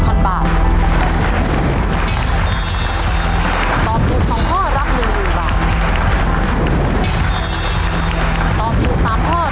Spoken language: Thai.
โชคดีต่อถุงทั้งหมด๔ข้อรักคนไปต่อชีวิตสูงสุด๑ล้านบาท